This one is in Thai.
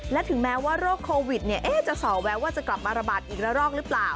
และถึงแม้ว่าโรคโควิดจะสอแววว่าจะกลับมาระบาดอีกละรอกหรือเปล่า